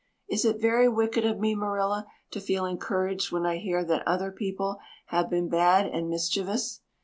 Is it very wicked of me, Marilla, to feel encouraged when I hear that other people have been bad and mischievous?